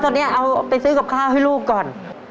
ตอนนี้เอาไปซื้อกับข้าวให้ลูกก่อน